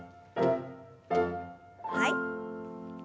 はい。